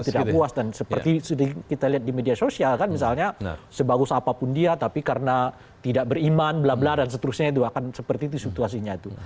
tidak puas dan seperti sudah kita lihat di media sosial kan misalnya sebagus apapun dia tapi karena tidak beriman bla bla dan seterusnya itu akan seperti itu situasinya itu